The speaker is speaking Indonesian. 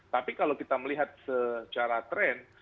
tapi kalau kita melihat secara tren